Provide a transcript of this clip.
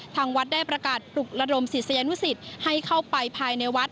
ทางวัดได้ประกาศปลุกระดมศิษยานุสิตให้เข้าไปภายในวัด